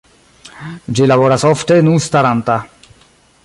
Ĝi laboras ofte nu staranta.